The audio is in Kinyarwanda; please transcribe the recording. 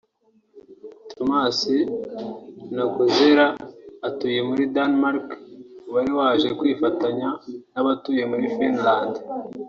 Thomas Ntagozera utuye muri Denmark wari waje kwifatanya n’abatuye Finland